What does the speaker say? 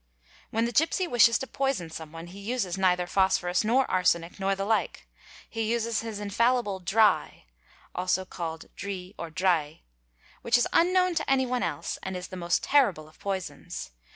When the gipsy wishes to poison someone he uses neither phosphorus | nor arsenic nor the like; he uses his infallible "dry" (also called "dri" — or "'drei'') which is unknown to anyone else and is the most terrible of poisons.